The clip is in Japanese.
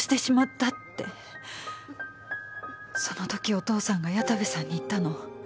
そのときお父さんが矢田部さんに言ったの。